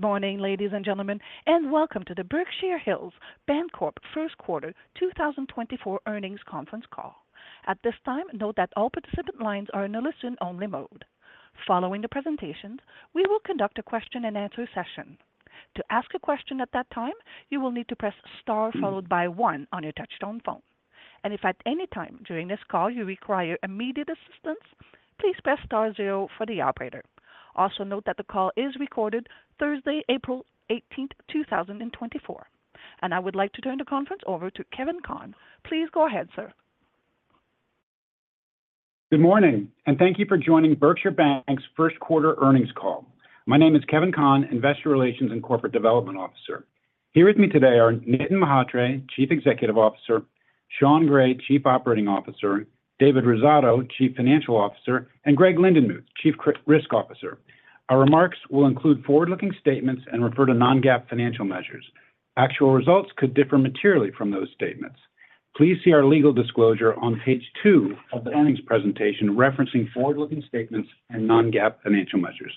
Good morning, ladies and gentlemen, and welcome to the Berkshire Hills Bancorp first quarter 2024 earnings conference call. At this time, note that all participant lines are in a listen-only mode. Following the presentations, we will conduct a question-and-answer session. To ask a question at that time, you will need to press star followed by one on your touch-tone phone. If at any time during this call you require immediate assistance, please press star zero for the operator. Also note that the call is recorded Thursday, April 18, 2024. I would like to turn the conference over to Kevin Conn. Please go ahead, sir. Good morning, and thank you for joining Berkshire Bank's first quarter earnings call. My name is Kevin Conn, Investor Relations and Corporate Development Officer. Here with me today are Nitin Mhatre, Chief Executive Officer; Sean Gray, Chief Operating Officer; David Rosato, Chief Financial Officer; and Greg Lindenmuth, Chief Risk Officer. Our remarks will include forward-looking statements and refer to non-GAAP financial measures. Actual results could differ materially from those statements. Please see our legal disclosure on page two of the earnings presentation referencing forward-looking statements and non-GAAP financial measures.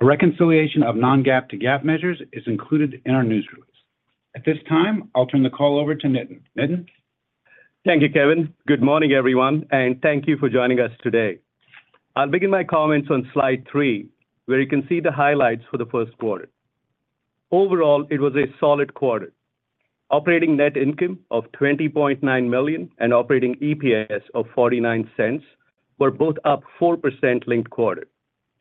A reconciliation of non-GAAP to GAAP measures is included in our news release. At this time, I'll turn the call over to Nitin. Nitin? Thank you, Kevin. Good morning, everyone, and thank you for joining us today. I'll begin my comments on slide three, where you can see the highlights for the first quarter. Overall, it was a solid quarter. Operating net income of $20.9 million and operating EPS of $0.49 were both up 4% linked quarter,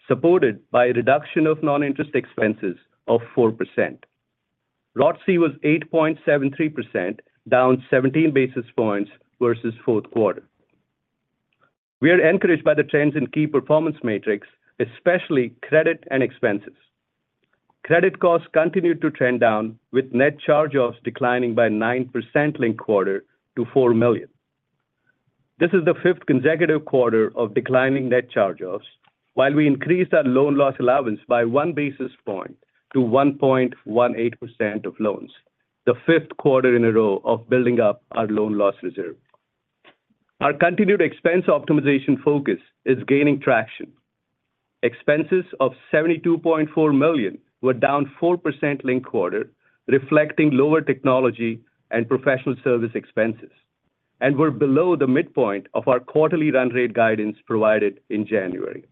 supported by a reduction of non-interest expenses of 4%. ROTCE was 8.73%, down 17 basis points versus fourth quarter. We are encouraged by the trends in key performance metrics, especially credit and expenses. Credit costs continued to trend down, with net charge-offs declining by 9% linked quarter to $4 million. This is the fifth consecutive quarter of declining net charge-offs, while we increased our loan loss allowance by one basis point to 1.18% of loans, the fifth quarter in a row of building up our loan loss reserve. Our continued expense optimization focus is gaining traction. Expenses of $72.4 million were down 4% linked quarter, reflecting lower technology and professional service expenses, and were below the midpoint of our quarterly run rate guidance provided in January.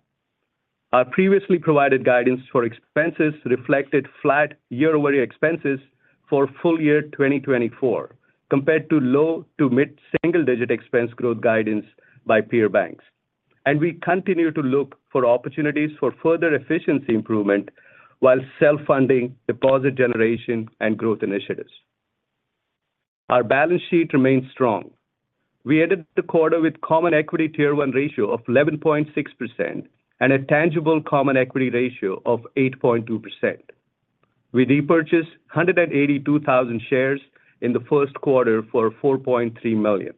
Our previously provided guidance for expenses reflected flat year-over-year expenses for full year 2024, compared to low to mid-single-digit expense growth guidance by peer banks. We continue to look for opportunities for further efficiency improvement while self-funding deposit generation and growth initiatives. Our balance sheet remains strong. We ended the quarter with Common Equity Tier 1 ratio of 11.6% and a Tangible Common Equity ratio of 8.2%. We repurchased 182,000 shares in the first quarter for $4.3 million.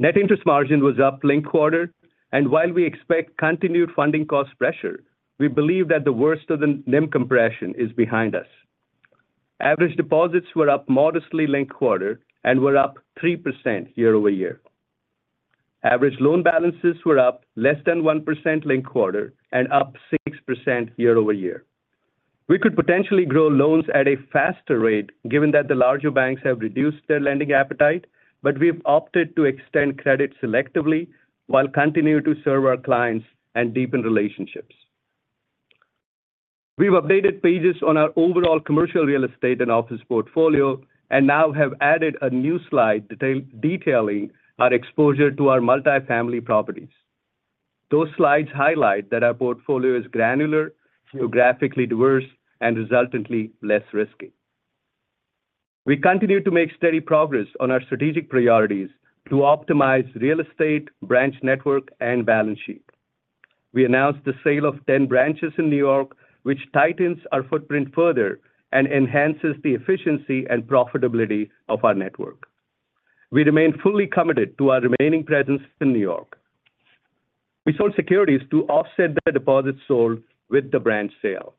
Net interest margin was up linked quarter, and while we expect continued funding cost pressure, we believe that the worst of the NIM compression is behind us. Average deposits were up modestly linked quarter and were up 3% year-over-year. Average loan balances were up less than 1% linked quarter and up 6% year-over-year. We could potentially grow loans at a faster rate given that the larger banks have reduced their lending appetite, but we've opted to extend credit selectively while continuing to serve our clients and deepen relationships. We've updated pages on our overall commercial real estate and office portfolio and now have added a new slide detailing our exposure to our multifamily properties. Those slides highlight that our portfolio is granular, geographically diverse, and resultantly less risky. We continue to make steady progress on our strategic priorities to optimize real estate, branch network, and balance sheet. We announced the sale of 10 branches in New York, which tightens our footprint further and enhances the efficiency and profitability of our network. We remain fully committed to our remaining presence in New York. We sold securities to offset the deposits sold with the branch sale.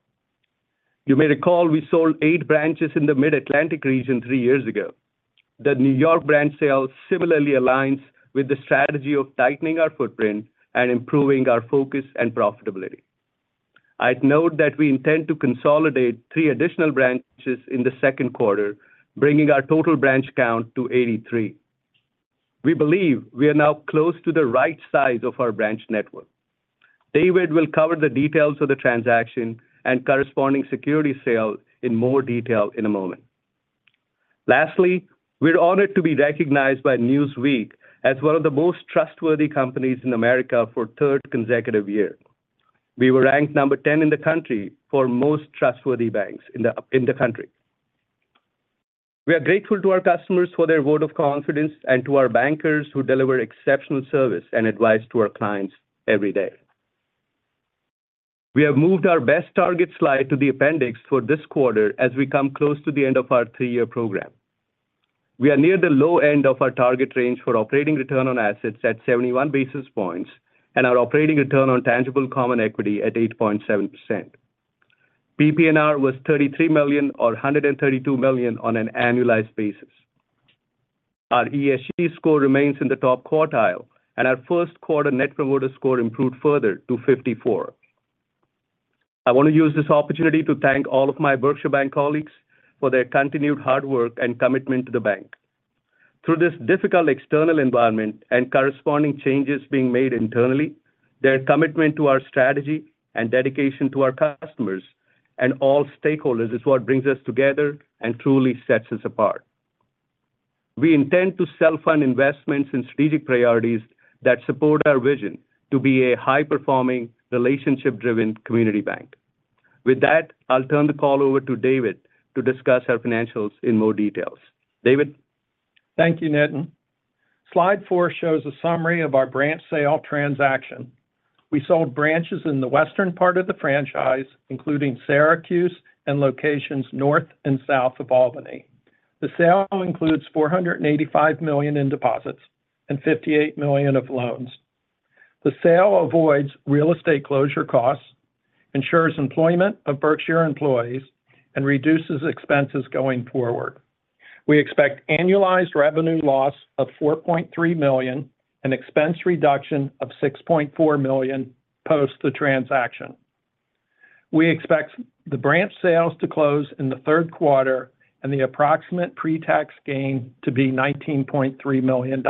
You may recall we sold eight branches in the Mid-Atlantic region three years ago. The New York branch sale similarly aligns with the strategy of tightening our footprint and improving our focus and profitability. I'd note that we intend to consolidate three additional branches in the second quarter, bringing our total branch count to 83. We believe we are now close to the right size of our branch network. David will cover the details of the transaction and corresponding security sale in more detail in a moment. Lastly, we're honored to be recognized by Newsweek as one of the most trustworthy companies in America for third consecutive year. We were ranked number 10 in the country for most trustworthy banks in the country. We are grateful to our customers for their vote of confidence and to our bankers who deliver exceptional service and advice to our clients every day. We have moved our BEST target slide to the appendix for this quarter as we come close to the end of our three-year program. We are near the low end of our target range for operating return on assets at 71 basis points and our operating return on Tangible Common Equity at 8.7%. PPNR was $33 million or $132 million on an annualized basis. Our ESG score remains in the top quartile, and our first quarter Net Promoter Score improved further to 54. I want to use this opportunity to thank all of my Berkshire Bank colleagues for their continued hard work and commitment to the bank. Through this difficult external environment and corresponding changes being made internally, their commitment to our strategy and dedication to our customers and all stakeholders is what brings us together and truly sets us apart. We intend to self-fund investments and strategic priorities that support our vision to be a high-performing, relationship-driven community bank. With that, I'll turn the call over to David to discuss our financials in more details. David? Thank you, Nitin. Slide four shows a summary of our branch sale transaction. We sold branches in the western part of the franchise, including Syracuse and locations north and south of Albany. The sale includes $485 million in deposits and $58 million of loans. The sale avoids real estate closure costs, ensures employment of Berkshire employees, and reduces expenses going forward. We expect annualized revenue loss of $4.3 million and expense reduction of $6.4 million post the transaction. We expect the branch sales to close in the third quarter and the approximate pre-tax gain to be $19.3 million.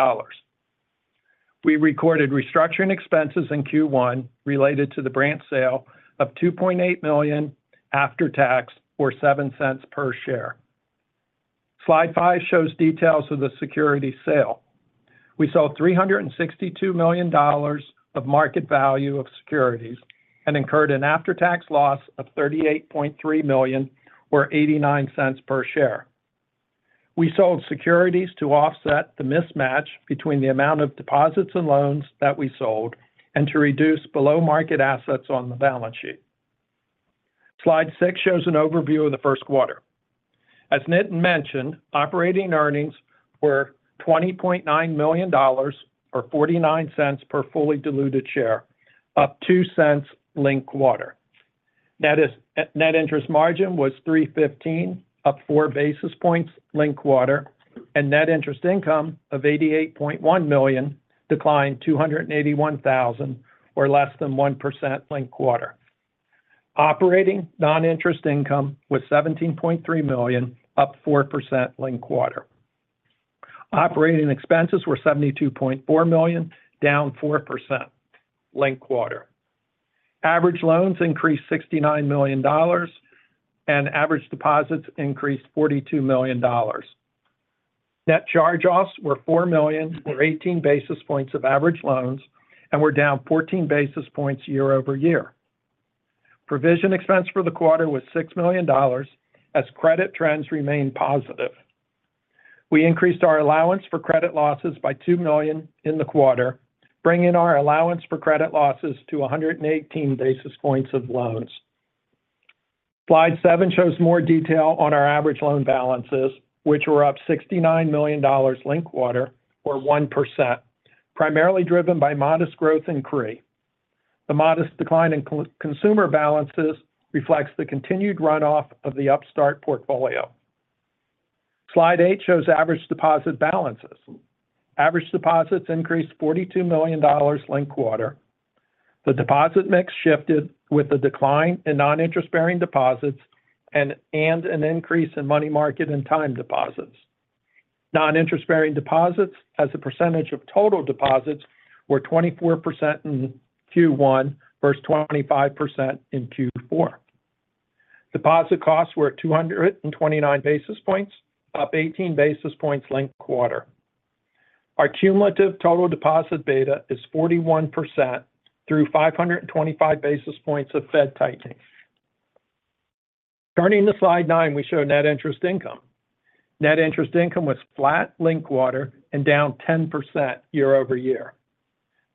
We recorded restructuring expenses in Q1 related to the branch sale of $2.8 million after tax or $0.07 per share. Slide five shows details of the security sale. We sold $362 million of market value of securities and incurred an after-tax loss of $38.3 million or $0.89 per share. We sold securities to offset the mismatch between the amount of deposits and loans that we sold and to reduce below-market assets on the balance sheet. Slide six shows an overview of the first quarter. As Nitin mentioned, operating earnings were $20.9 million or $0.49 per fully diluted share, up $0.02 linked quarter. Net interest margin was 3.15%, up 4 basis points linked quarter, and net interest income of $88.1 million declined $281,000 or less than 1% linked quarter. Operating non-interest income was $17.3 million, up 4% linked quarter. Operating expenses were $72.4 million, down 4% linked quarter. Average loans increased $69 million and average deposits increased $42 million. Net charge-offs were $4 million or 18 basis points of average loans and were down 14 basis points year-over-year. Provision expense for the quarter was $6 million as credit trends remain positive. We increased our allowance for credit losses by $2 million in the quarter, bringing our allowance for credit losses to 118 basis points of loans. Slide seven shows more detail on our average loan balances, which were up $69 million linked quarter or 1%, primarily driven by modest growth in CRE. The modest decline in consumer balances reflects the continued runoff of the Upstart portfolio. Slide eight shows average deposit balances. Average deposits increased $42 million linked quarter. The deposit mix shifted with the decline in non-interest bearing deposits and an increase in money market and time deposits. Non-interest bearing deposits, as a percentage of total deposits, were 24% in Q1 versus 25% in Q4. Deposit costs were 229 basis points, up 18 basis points linked quarter. Our cumulative total deposit beta is 41% through 525 basis points of Fed tightening. Turning to slide nine, we show net interest income was flat linked quarter and down 10% year-over-year.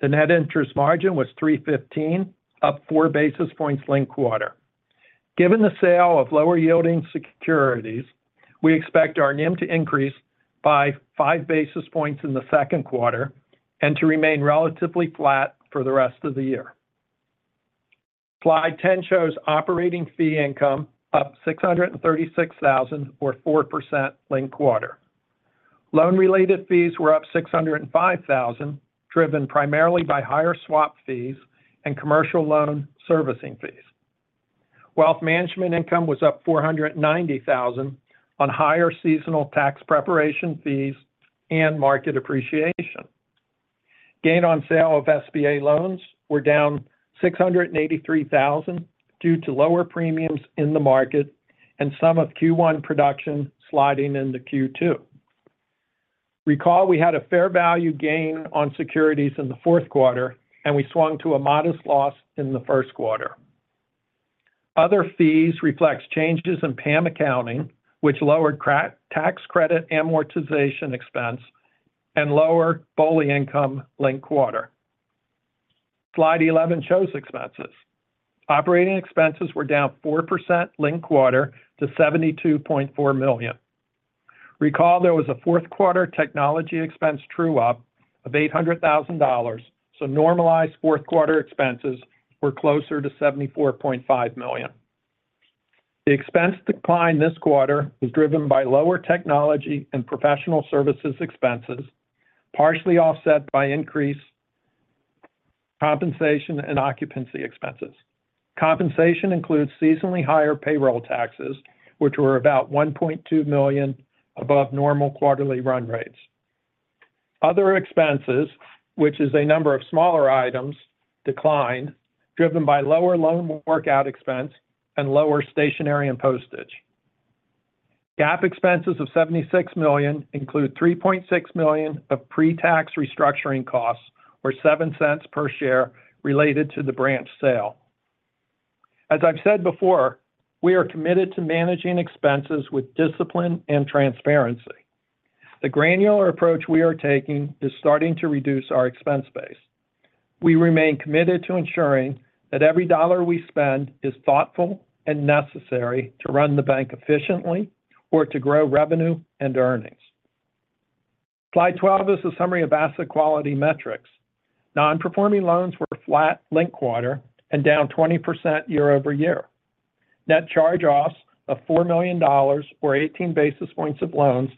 Net interest margin was 3.15%, up 4 basis points linked quarter. Given the sale of lower yielding securities, we expect our NIM to increase by 5 basis points in the second quarter and to remain relatively flat for the rest of the year. Slide 10 shows operating fee income, up $636,000 or 4% linked quarter. Loan-related fees were up $605,000, driven primarily by higher swap fees and commercial loan servicing fees. Wealth management income was up $490,000 on higher seasonal tax preparation fees and market appreciation. Gain on sale of SBA loans were down $683,000 due to lower premiums in the market and some of Q1 production sliding into Q2. Recall we had a fair value gain on securities in the fourth quarter, and we swung to a modest loss in the first quarter. Other fees reflect changes in PAM accounting, which lowered tax credit amortization expense and lower BOLI income linked quarter. Slide 11 shows expenses. Operating expenses were down 4% linked quarter to $72.4 million. Recall there was a fourth quarter technology expense true up of $800,000, so normalized fourth quarter expenses were closer to $74.5 million. The expense decline this quarter was driven by lower technology and professional services expenses, partially offset by increased compensation and occupancy expenses. Compensation includes seasonally higher payroll taxes, which were about $1.2 million above normal quarterly run rates. Other expenses, which is a number of smaller items, declined driven by lower loan workout expense and lower stationery and postage. GAAP expenses of $76 million include $3.6 million of pre-tax restructuring costs or $0.07 per share related to the branch sale. As I've said before, we are committed to managing expenses with discipline and transparency. The granular approach we are taking is starting to reduce our expense base. We remain committed to ensuring that every dollar we spend is thoughtful and necessary to run the bank efficiently or to grow revenue and earnings. Slide 12 is a summary of asset quality metrics. Non-performing loans were flat linked quarter and down 20% year-over-year. Net charge-offs of $4 million or 18 basis points of loans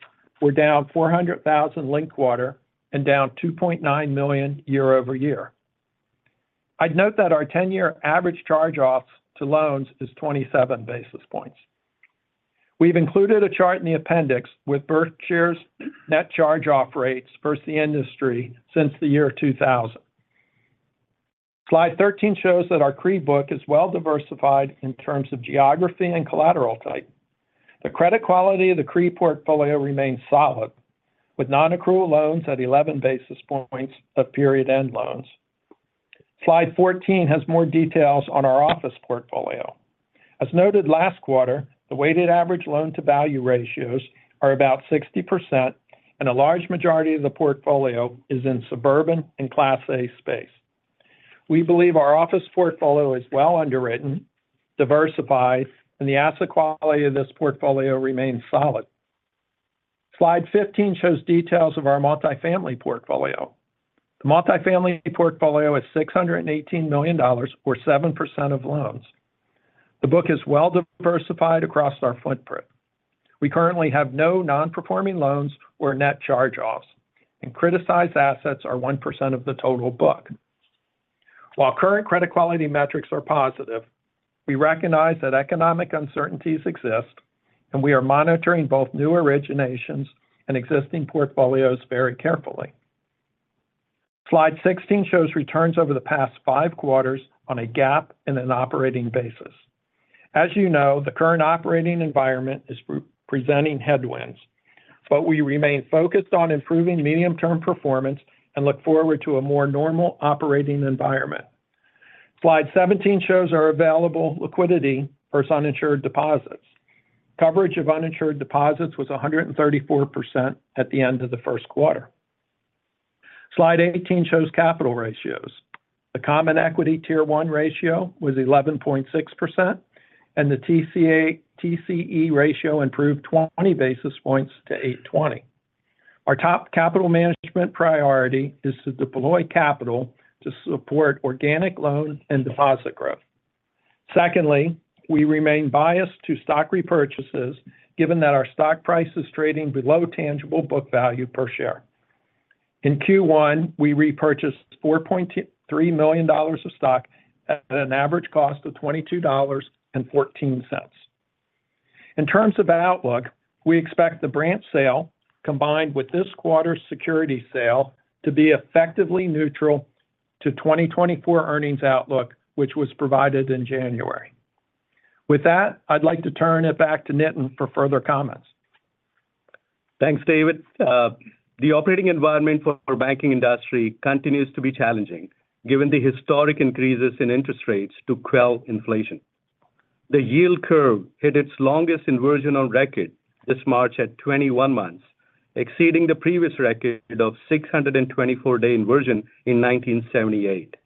were down $400,000 linked quarter and down $2.9 million year-over-year. I'd note that our 10-year average charge-offs to loans is 27 basis points. We've included a chart in the appendix with Berkshire's net charge-off rates versus the industry since the year 2000. Slide 13 shows that our CRE book is well diversified in terms of geography and collateral type. The credit quality of the CRE portfolio remains solid, with non-accrual loans at 11 basis points of period-end loans. Slide 14 has more details on our office portfolio. As noted last quarter, the weighted average loan-to-value ratios are about 60%, and a large majority of the portfolio is in suburban and Class A space. We believe our office portfolio is well underwritten, diversified, and the asset quality of this portfolio remains solid. Slide 15 shows details of our multifamily portfolio. The multifamily portfolio is $618 million or 7% of loans. The book is well diversified across our footprint. We currently have no non-performing loans or net charge-offs, and criticized assets are 1% of the total book. While current credit quality metrics are positive, we recognize that economic uncertainties exist, and we are monitoring both new originations and existing portfolios very carefully. Slide 16 shows returns over the past five quarters on a GAAP and an operating basis. As you know, the current operating environment is presenting headwinds, but we remain focused on improving medium-term performance and look forward to a more normal operating environment. Slide 17 shows our available liquidity versus uninsured deposits. Coverage of uninsured deposits was 134% at the end of the first quarter. Slide 18 shows capital ratios. The Common Equity Tier 1 ratio was 11.6%, and the TCE ratio improved 20 basis points to 820. Our top capital management priority is to deploy capital to support organic loan and deposit growth. Secondly, we remain biased to stock repurchases, given that our stock price is trading below tangible book value per share. In Q1, we repurchased $4.3 million of stock at an average cost of $22.14. In terms of outlook, we expect the branch sale, combined with this quarter's security sale, to be effectively neutral to 2024 earnings outlook, which was provided in January. With that, I'd like to turn it back to Nitin for further comments. Thanks, David. The operating environment for our banking industry continues to be challenging, given the historic increases in interest rates to quell inflation. The yield curve hit its longest inversion on record this March at 21 months, exceeding the previous record of 624-day inversion in 1978,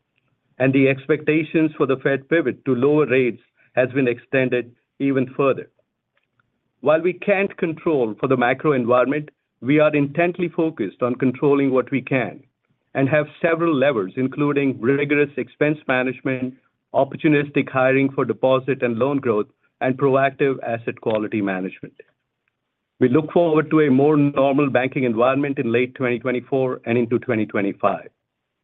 and the expectations for the Fed pivot to lower rates have been extended even further. While we can't control for the macro environment, we are intently focused on controlling what we can and have several levers, including rigorous expense management, opportunistic hiring for deposit and loan growth, and proactive asset quality management. We look forward to a more normal banking environment in late 2024 and into 2025.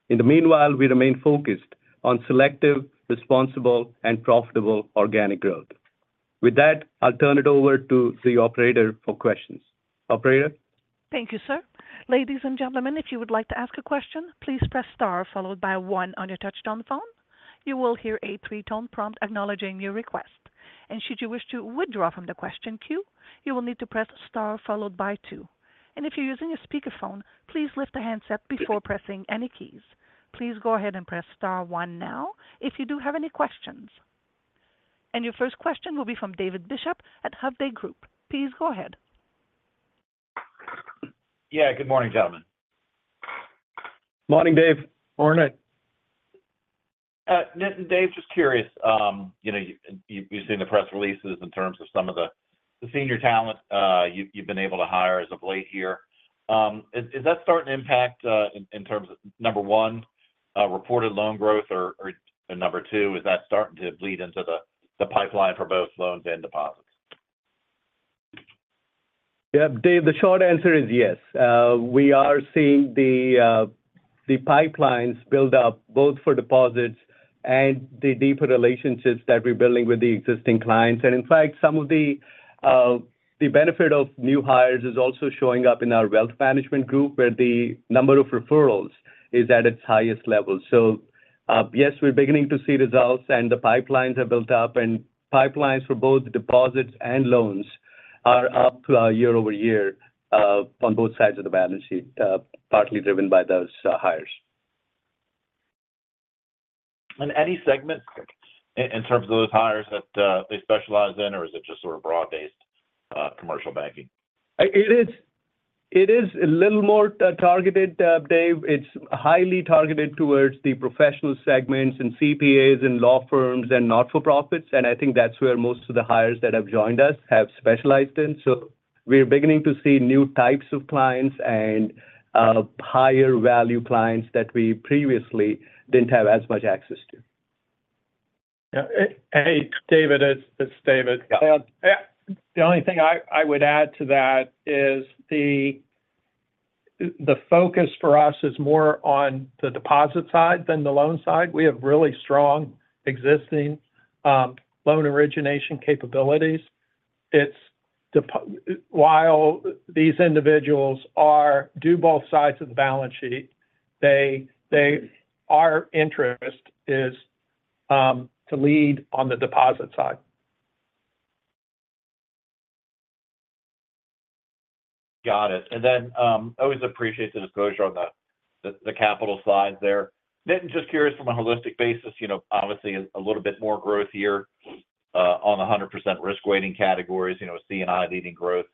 In the meanwhile, we remain focused on selective, responsible, and profitable organic growth. With that, I'll turn it over to the operator for questions. Operator. Thank you, sir. Ladies and gentlemen, if you would like to ask a question, please press star followed by one on your touch-tone phone. You will hear a three-tone prompt acknowledging your request. Should you wish to withdraw from the question queue, you will need to press star followed by two. If you're using a speakerphone, please lift the handset before pressing any keys. Please go ahead and press star one now if you do have any questions. Your first question will be from David Bishop at Hovde Group. Please go ahead. Yeah. Good morning, gentlemen. Morning, Dave. Morning. Nitin, Dave, just curious, you know, you've seen the press releases in terms of some of the senior talent you've been able to hire as of late here. Is that starting to impact in terms of, number one, reported loan growth, or number two, is that starting to bleed into the pipeline for both loans and deposits? Yeah, Dave, the short answer is yes. We are seeing the pipelines build up both for deposits and the deeper relationships that we're building with the existing clients. In fact, some of the benefit of new hires is also showing up in our wealth management group, where the number of referrals is at its highest level. So yes, we're beginning to see results, and the pipelines have built up. Pipelines for both deposits and loans are up year-over-year on both sides of the balance sheet, partly driven by those hires. Any segments in terms of those hires that they specialize in, or is it just sort of broad-based commercial banking? It is a little more targeted, Dave. It's highly targeted towards the professional segments and CPAs and law firms and not-for-profits. I think that's where most of the hires that have joined us have specialized in. We're beginning to see new types of clients and higher value clients that we previously didn't have as much access to. Hey, David. It's David. The only thing I would add to that is the focus for us is more on the deposit side than the loan side. We have really strong existing loan origination capabilities. While these individuals do both sides of the balance sheet, our interest is to lead on the deposit side. Got it. I always appreciate the disclosure on the capital side there. Nitin, just curious from a holistic basis, obviously a little bit more growth here on the 100% risk weighting categories, C&I leading growth,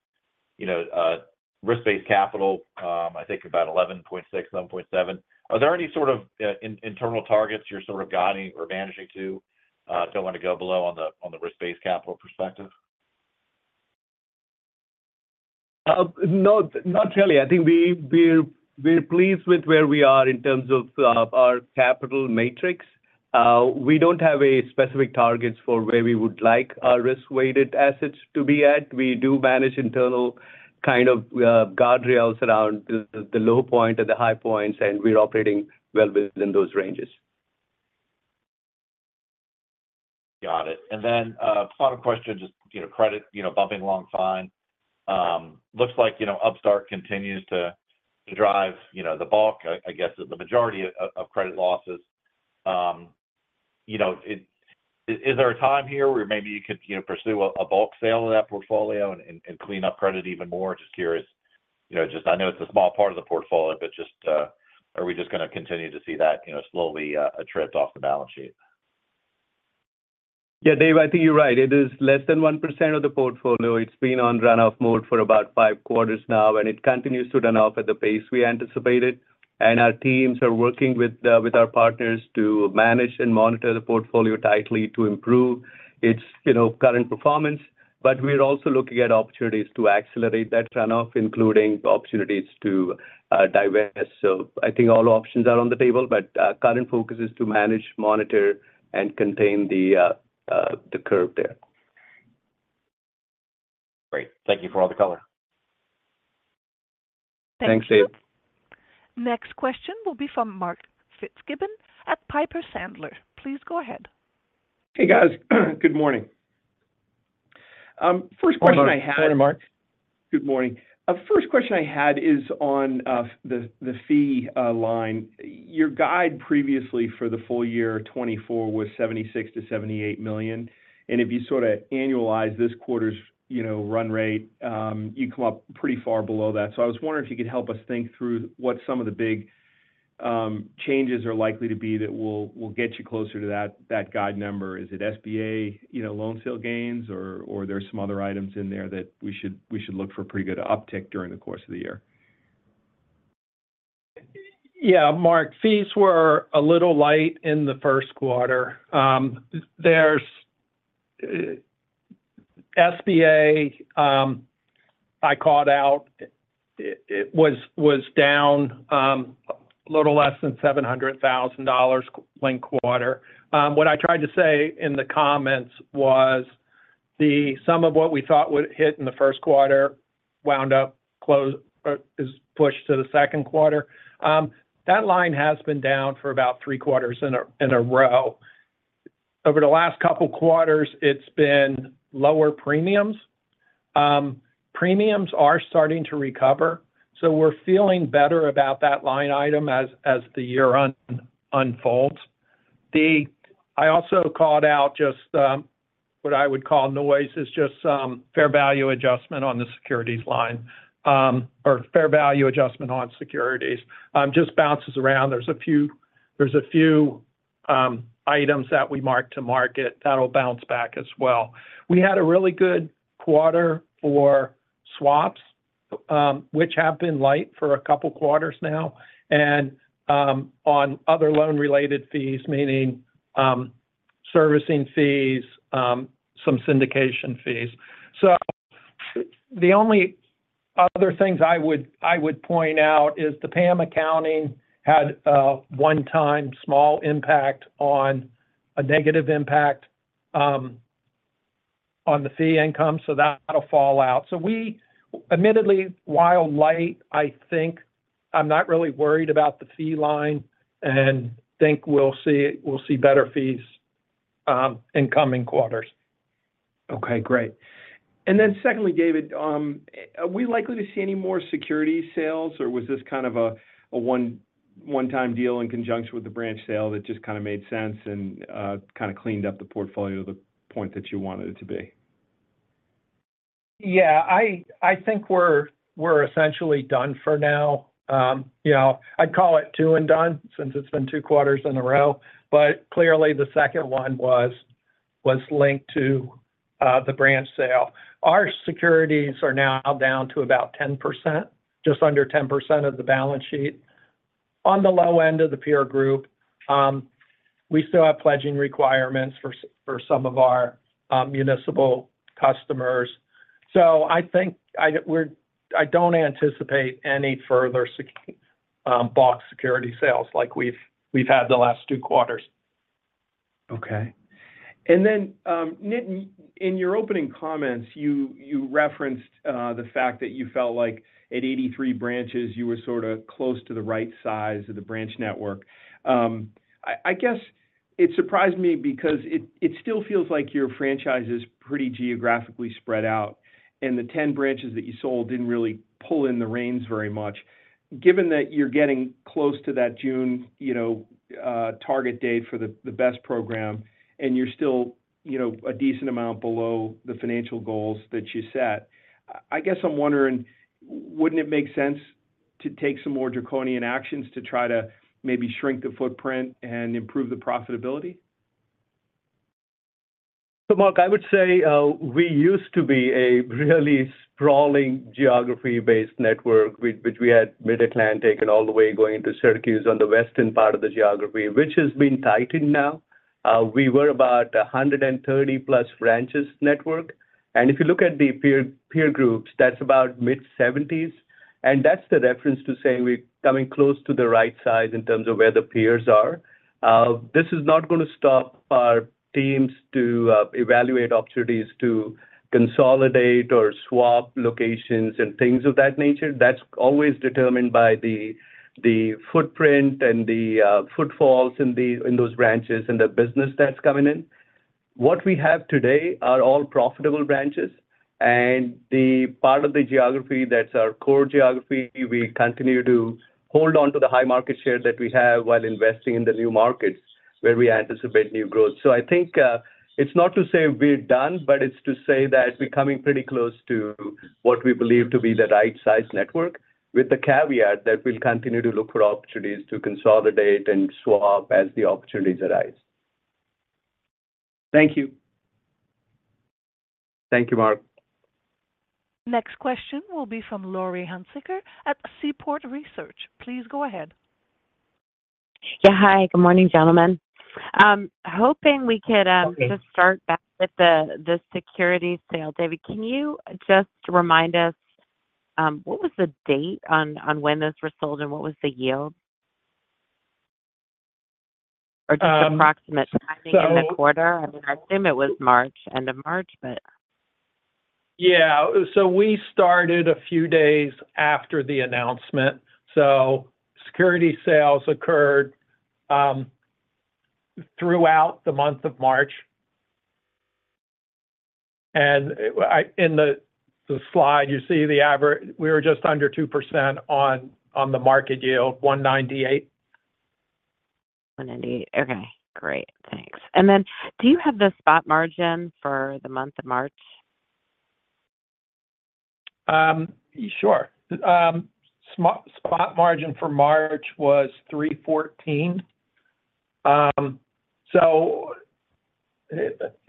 risk-based capital, I think about 11.6%-11.7%. Are there any sort of internal targets you're sort of guiding or managing to? Don't want to go below on the risk-based capital perspective. No, not really. I think we're pleased with where we are in terms of our capital matrix. We don't have specific targets for where we would like our risk-weighted assets to be at. We do manage internal kind of guardrails around the low point and the high points, and we're operating well within those ranges. Got it. Then final question, just credit bumping along fine. Looks like Upstart continues to drive the bulk, I guess, of the majority of credit losses. Is there a time here where maybe you could pursue a bulk sale of that portfolio and clean up credit even more? Just curious. I know it's a small part of the portfolio, but are we just going to continue to see that slowly trip off the balance sheet? Yeah, Dave, I think you're right. It is less than 1% of the portfolio. It's been on runoff mode for about five quarters now, and it continues to run off at the pace we anticipated. Our teams are working with our partners to manage and monitor the portfolio tightly to improve its current performance. But we're also looking at opportunities to accelerate that runoff, including opportunities to divest. I think all options are on the table, but current focus is to manage, monitor, and contain the curve there. Great. Thank you for all the color. Thanks, Dave. Next question will be from Mark Fitzgibbon at Piper Sandler. Please go ahead. Hey, guys. Good morning. First question I had. Morning, Mark. Good morning. First question I had is on the fee line. Your guide previously for the full year 2024 was $76 million-$78 million. If you sort of annualize this quarter's run rate, you come up pretty far below that. So I was wondering if you could help us think through what some of the big changes are likely to be that will get you closer to that guide number. Is it SBA loan sale gains, or are there some other items in there that we should look for pretty good uptick during the course of the year? Yeah, Mark, fees were a little light in the first quarter. SBA, I called out, was down a little less than $700,000 linked quarter. What I tried to say in the comments was some of what we thought would hit in the first quarter wound up pushed to the second quarter. That line has been down for about three quarters in a row. Over the last couple of quarters, it's been lower premiums. Premiums are starting to recover, so we're feeling better about that line item as the year unfolds. I also called out just what I would call noise is just fair value adjustment on the securities line or fair value adjustment on securities. It just bounces around. There's a few items that we marked to market. That'll bounce back as well. We had a really good quarter for swaps, which have been light for a couple of quarters now, and on other loan-related fees, meaning servicing fees, some syndication fees. The only other things I would point out is the PAM accounting had one-time small impact on a negative impact on the fee income. So that'll fall out. So admittedly, while light, I think I'm not really worried about the fee line and think we'll see better fees in coming quarters. Okay. Great. Then secondly, David, are we likely to see any more securities sales, or was this kind of a one-time deal in conjunction with the branch sale that just kind of made sense and kind of cleaned up the portfolio to the point that you wanted it to be? Yeah. I think we're essentially done for now. I'd call it two and done since it's been two quarters in a row. But clearly, the second one was linked to the branch sale. Our securities are now down to about 10%, just under 10% of the balance sheet. On the low end of the peer group, we still have pledging requirements for some of our municipal customers. I think I don't anticipate any further bulk security sales like we've had the last two quarters. Okay. Then, Nitin, in your opening comments, you referenced the fact that you felt like at 83 branches, you were sort of close to the right size of the branch network. I guess it surprised me because it still feels like your franchise is pretty geographically spread out, and the 10 branches that you sold didn't really pull in the reins very much. Given that you're getting close to that June target date for the BEST program, and you're still a decent amount below the financial goals that you set, I guess I'm wondering, wouldn't it make sense to take some more draconian actions to try to maybe shrink the footprint and improve the profitability? Mark, I would say we used to be a really sprawling geography-based network, which we had Mid-Atlantic and all the way going into Syracuse on the western part of the geography, which has been tightened now. We were about 130+ branches network. If you look at the peer groups, that's about mid-70s. That's the reference to saying we're coming close to the right size in terms of where the peers are. This is not going to stop our teams to evaluate opportunities to consolidate or swap locations and things of that nature. That's always determined by the footprint and the footfalls in those branches and the business that's coming in. What we have today are all profitable branches. Part of the geography that's our core geography, we continue to hold onto the high market share that we have while investing in the new markets where we anticipate new growth. I think it's not to say we're done, but it's to say that we're coming pretty close to what we believe to be the right size network, with the caveat that we'll continue to look for opportunities to consolidate and swap as the opportunities arise. Thank you. Thank you, Mark. Next question will be from Laurie Hunsicker at Seaport Research. Please go ahead. Yeah. Hi. Good morning, gentlemen. Hoping we could just start back with the securities sale. David, can you just remind us what was the date on when those were sold and what was the yield? Or just approximate timing in the quarter. I mean, I assume it was end of March, but. Yeah. So we started a few days after the announcement. Securities sales occurred throughout the month of March. In the slide, you see the average. We were just under 2% on the market yield, 198. Okay. Great. Thanks. Then do you have the spot margin for the month of March? Sure. Spot margin for March was 314.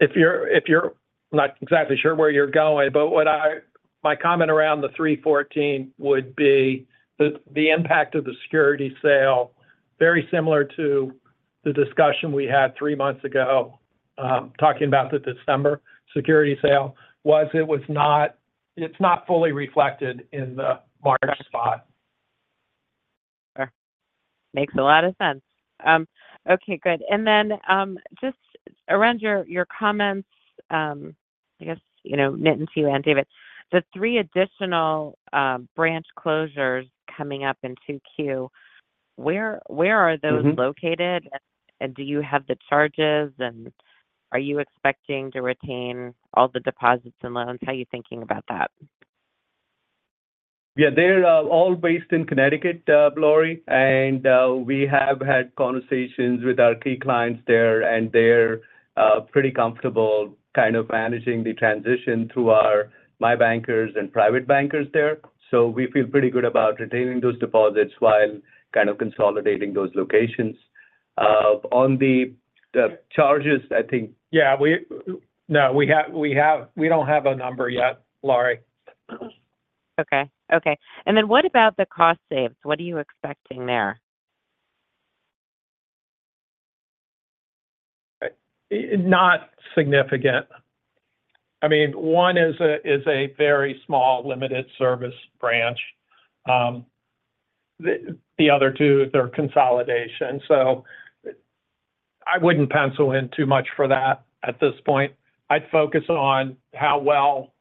If you're not exactly sure where you're going, but my comment around the 314 would be the impact of the security sale, very similar to the discussion we had three months ago talking about the December security sale. It was not. It's not fully reflected in the March spot. Makes a lot of sense. Okay. Good. And then just around your comments, I guess, Nitin to you and David, the three additional branch closures coming up in 2Q, where are those located? And do you have the charges, and are you expecting to retain all the deposits and loans? How are you thinking about that? Yeah. They're all based in Connecticut, Laurie. We have had conversations with our key clients there, and they're pretty comfortable kind of managing the transition through my bankers and private bankers there. We feel pretty good about retaining those deposits while kind of consolidating those locations. On the charges, I think. Yeah. No, we don't have a number yet, Laurie. Okay. Okay. Then what about the cost saves? What are you expecting there? Not significant. I mean, one is a very small limited service branch. The other two, they're consolidation. I wouldn't pencil in too much for that at this point. I'd focus on how well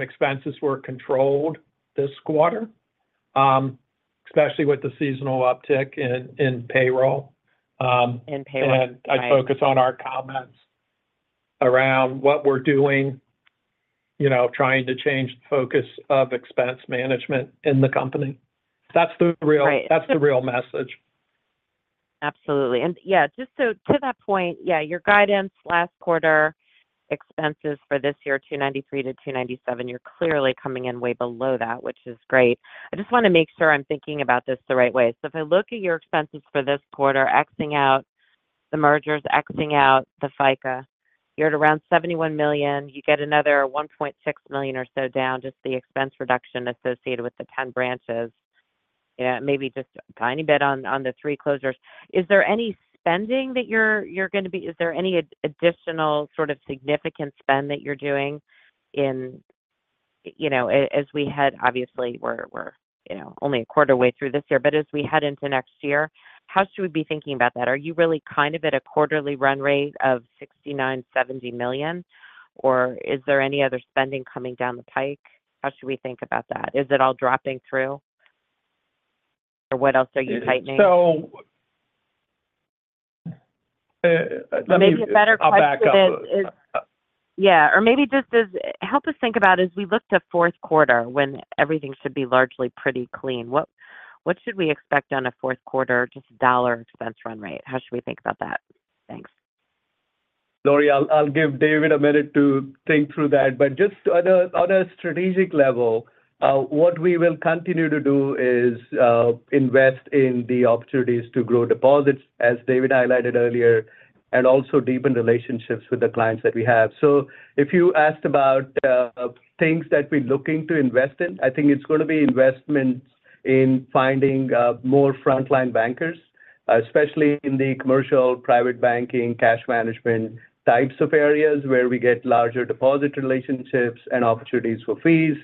expenses were controlled this quarter, especially with the seasonal uptick in payroll. In payroll. I'd focus on our comments around what we're doing, trying to change the focus of expense management in the company. That's the real message. Absolutely. And yeah, just so to that point, yeah, your guidance last quarter, expenses for this year, $293 million-$297 million, you're clearly coming in way below that, which is great. I just want to make sure I'm thinking about this the right way. So if I look at your expenses for this quarter, X-ing out the mergers, X-ing out the FICA, you're at around $71 million. You get another $1.6 million or so down, just the expense reduction associated with the 10 branches, maybe just a tiny bit on the three closures. Is there any spending that you're going to be is there any additional sort of significant spend that you're doing as we head obviously, we're only a quarterway through this year, but as we head into next year, how should we be thinking about that? Are you really kind of at a quarterly run rate of $69 million-$70 million, or is there any other spending coming down the pike? How should we think about that? Is it all dropping through? Or what else are you tightening? back up. Maybe a better question is yeah, or maybe just help us think about as we look to fourth quarter when everything should be largely pretty clean, what should we expect on a fourth quarter, just dollar expense run rate? How should we think about that? Thanks. Laurie, I'll give David a minute to think through that. Just on a strategic level, what we will continue to do is invest in the opportunities to grow deposits, as David highlighted earlier, and also deepen relationships with the clients that we have. If you asked about things that we're looking to invest in, I think it's going to be investments in finding more frontline bankers, especially in the commercial, private banking, cash management types of areas where we get larger deposit relationships and opportunities for fees.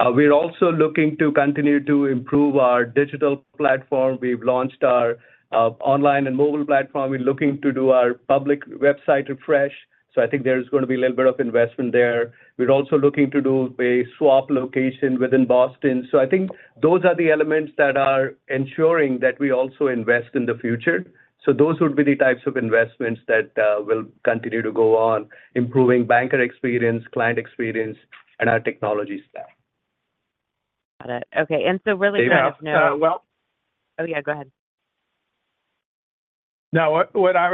We're also looking to continue to improve our digital platform. We've launched our online and mobile platform. We're looking to do our public website refresh. I think there's going to be a little bit of investment there. We're also looking to do a swap location within Boston. I think those are the elements that are ensuring that we also invest in the future. Those would be the types of investments that will continue to go on, improving banker experience, client experience, and our technology stack. Got it. Okay. And so really just know. go ahead. No, what I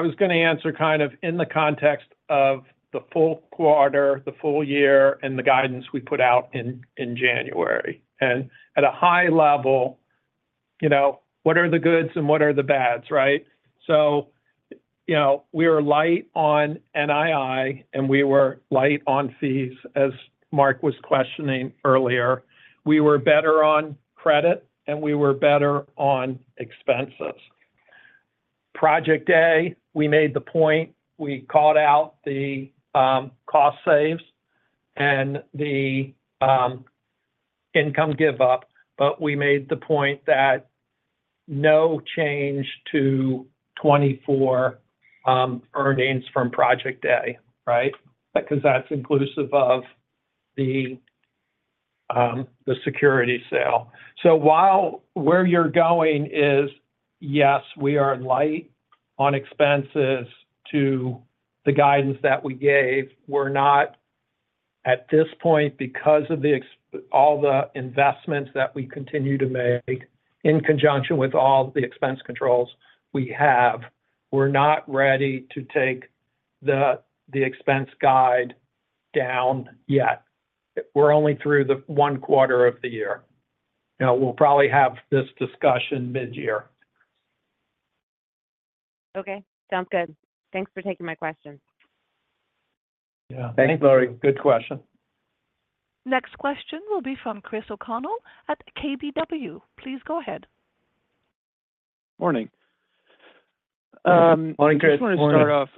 was going to answer kind of in the context of the full quarter, the full year, and the guidance we put out in January. At a high level, what are the goods and what are the bads, right? So we were light on NII, and we were light on fees, as Mark was questioning earlier. We were better on credit, and we were better on expenses. Project A, we made the point. We called out the cost saves and the income give-up, but we made the point that no change to 2024 earnings from Project A, right? Because that's inclusive of the security sale. Where you're going is, yes, we are light on expenses to the guidance that we gave. We're not, at this point, because of all the investments that we continue to make in conjunction with all the expense controls we have, we're not ready to take the expense guide down yet. We're only through the one quarter of the year. We'll probably have this discussion mid-year. Okay. Sounds good. Thanks for taking my question. Thanks, Laurie. Good question. Next question will be from Chris O'Connell at KBW. Please go ahead. Morning. Morning, Chris. I just want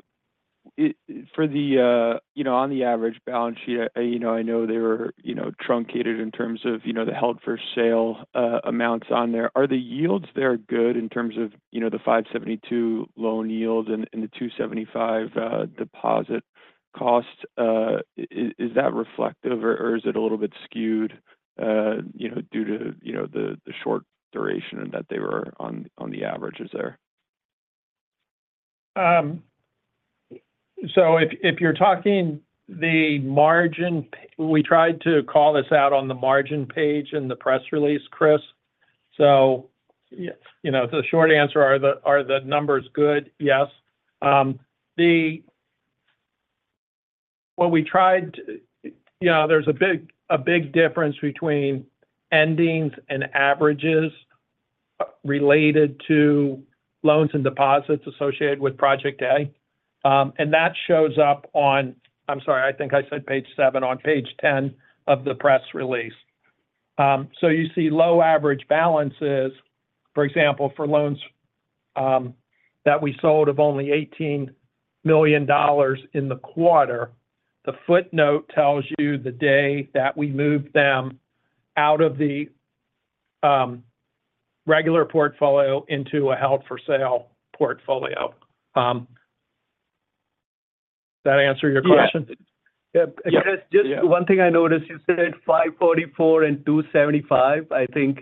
to start off for the on the average balance sheet. I know they were truncated in terms of the held-for-sale amounts on there. Are the yields there good in terms of the 572 loan yield and the 275 deposit costs? Is that reflective, or is it a little bit skewed due to the short duration and that they were on the averages there? If you're talking the margin, we tried to call this out on the margin page in the press release, Chris. The short answer are the numbers good? Yes. What we tried to there's a big difference between endings and averages related to loans and deposits associated with Project A. That shows up on, I'm sorry, I think I said page seven, on page 10 of the press release. You see low average balances. For example, for loans that we sold of only $18 million in the quarter, the footnote tells you the day that we moved them out of the regular portfolio into a held-for-sale portfolio. Does that answer your question? Yes. Just one thing I noticed, you said 544 and 275. I think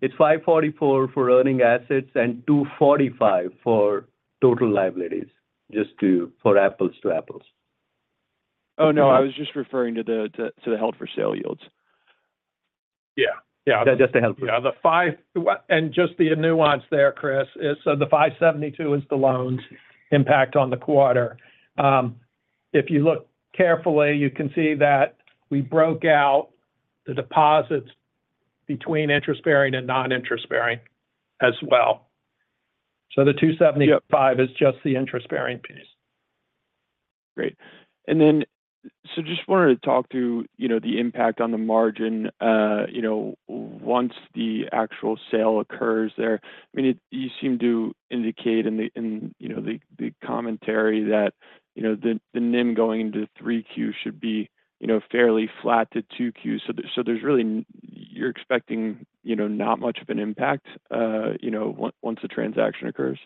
it's 544 for earning assets and 245 for total liabilities, just for apples to apples. Oh, no. I was just referring to the held-for-sale yields. Yeah. Yeah. They're just the held-for-sale. Yeah. Just the nuance there, Chris, is so the 572 is the loans impact on the quarter. If you look carefully, you can see that we broke out the deposits between interest-bearing and non-interest-bearing as well. So the 275 is just the interest-bearing piece. Great. And then so just wanted to talk through the impact on the margin once the actual sale occurs there. I mean, you seem to indicate in the commentary that the NIM going into 3Q should be fairly flat to 2Q. So there's really you're expecting not much of an impact once the transaction occurs?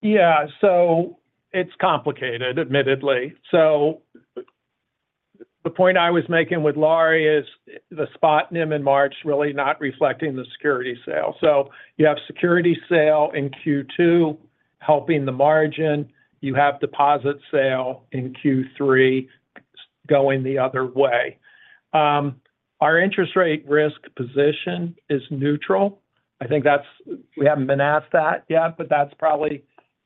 Yeah. It's complicated, admittedly. The point I was making with Laurie is the spot NIM in March really not reflecting the security sale. You have security sale in Q2 helping the margin. You have deposit sale in Q3 going the other way. Our interest-rate risk position is neutral. I think that's. We haven't been asked that yet, but that's probably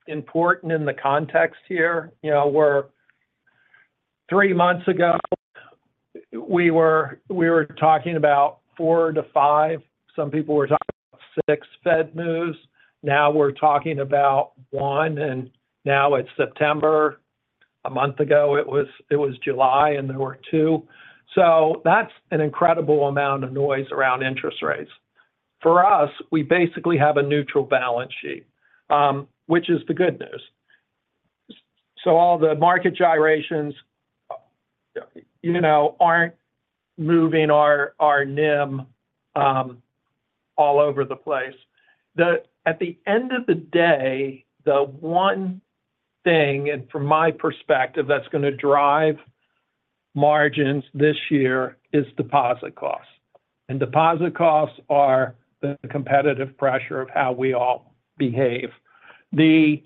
important in the context here. Three months ago, we were talking about four to five; some people were talking about six Fed moves. Now we're talking about one, and now it's September. A month ago, it was July, and there were two. That's an incredible amount of noise around interest rates. For us, we basically have a neutral balance sheet, which is the good news. All the market gyrations aren't moving our NIM all over the place. At the end of the day, the one thing, and from my perspective, that's going to drive margins this year is deposit costs. Deposit costs are the competitive pressure of how we all behave. The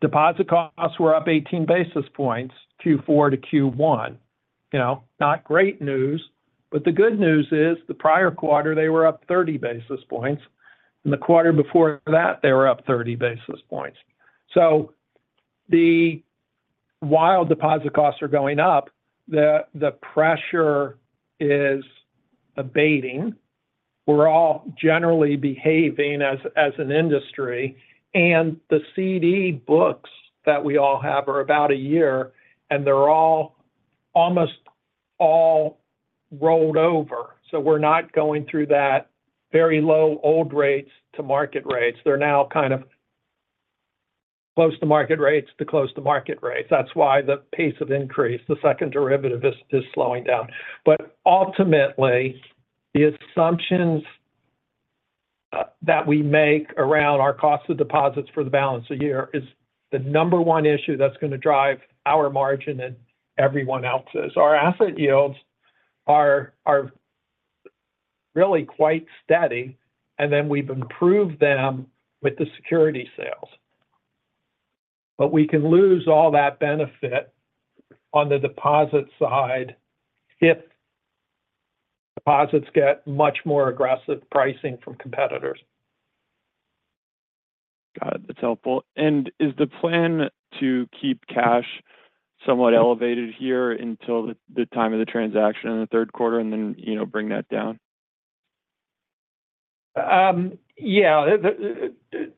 deposit costs were up 18 basis points Q4 to Q1. Not great news. But the good news is the prior quarter, they were up 30 basis points. The quarter before that, they were up 30 basis points. While deposit costs are going up, the pressure is abating. We're all generally behaving as an industry. The CD books that we all have are about a year, and they're almost all rolled over. We're not going through that very low old rates to market rates. They're now kind of close to market rates to close to market rates. That's why the pace of increase, the second derivative, is slowing down. Ultimately, the assumptions that we make around our cost of deposits for the balance of year is the number one issue that's going to drive our margin and everyone else's. Our asset yields are really quite steady, and then we've improved them with the security sales. We can lose all that benefit on the deposit side if deposits get much more aggressive pricing from competitors. Got it. That's helpful. Is the plan to keep cash somewhat elevated here until the time of the transaction in the third quarter and then bring that down? Yeah.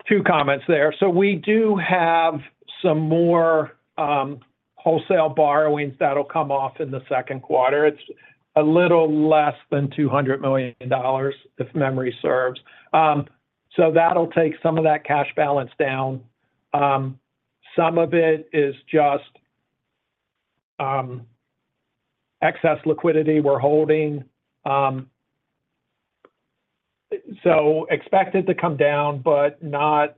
Two comments there. We do have some more wholesale borrowings that'll come off in the second quarter. It's a little less than $200 million, if memory serves. That'll take some of that cash balance down. Some of it is just excess liquidity we're holding. Expected to come down, but not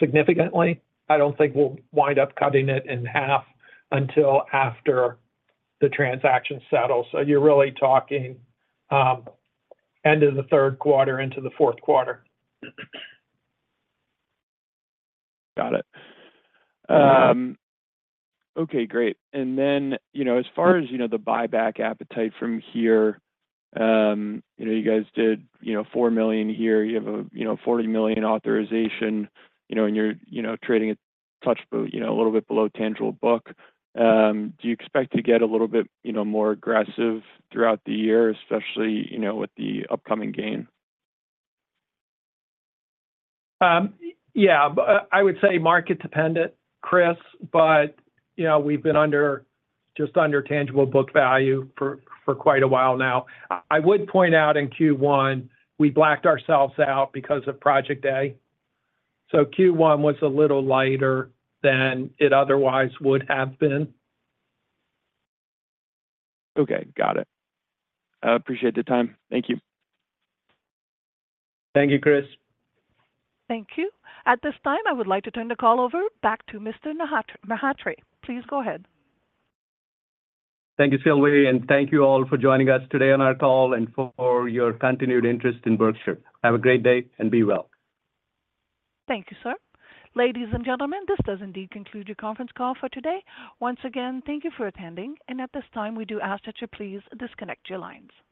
significantly. I don't think we'll wind up cutting it in half until after the transaction settles. You're really talking end of the third quarter, into the fourth quarter. Got it. Okay. Great. Then as far as the buyback appetite from here, you guys did $4 million here. You have a $40 million authorization, and you're trading a touch a little bit below tangible book. Do you expect to get a little bit more aggressive throughout the year, especially with the upcoming gain? Yeah. I would say market-dependent, Chris, but we've been just under tangible book value for quite a while now. I would point out in Q1, we blacked ourselves out because of Project A. So Q1 was a little lighter than it otherwise would have been. Okay. Got it. I appreciate the time. Thank you. Thank you, Chris. Thank you. At this time, I would like to turn the call over back to Mr. Mhatre. Please go ahead. Thank you, Sean Lee. Thank you all for joining us today on our call and for your continued interest in Berkshire. Have a great day and be well. Thank you, sir. Ladies and gentlemen, this does indeed conclude your conference call for today. Once again, thank you for attending. At this time, we do ask that you please disconnect your lines.